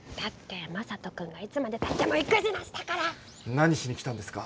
何しに来たんですか？